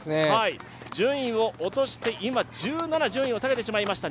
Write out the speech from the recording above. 順位を落として今１７順位を下げてしまいました。